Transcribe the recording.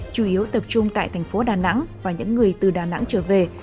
chủ yếu tập trung tại thành phố đà nẵng và những người từ đà nẵng trở về